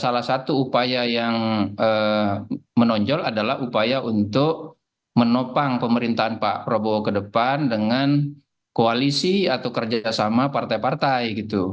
salah satu upaya yang menonjol adalah upaya untuk menopang pemerintahan pak prabowo ke depan dengan koalisi atau kerjasama partai partai gitu